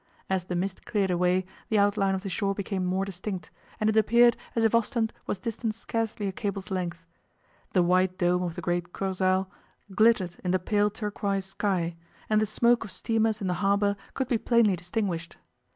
As the mist cleared away the outline of the shore became more distinct, and it appeared as if Ostend was distant scarcely a cable's length. The white dome of the great Kursaal glittered in the pale turquoise sky, and the smoke of steamers in the harbour could be plainly distinguished.